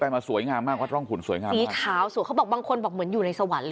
สีขาวสวยงามมากสีขาวสวยงามบางคนบอกเหมือนอยู่ในสวรรค์เลย